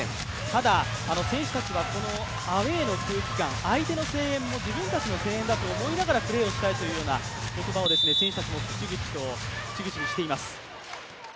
ただ選手たちはアウェーの空気感、相手の声援も自分たちの声援だと思いながらプレーしたいという言葉を選手たちも口々にしています。